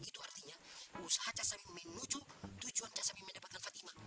itu artinya usaha cak samin menuju tujuan cak samin mendapatkan fatima